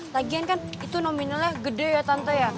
tagihan kan itu nominalnya gede ya tante ya